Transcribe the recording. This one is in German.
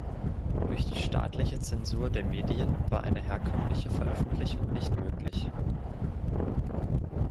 Durch die staatliche Zensur der Medien war eine herkömmliche Veröffentlichung nicht möglich.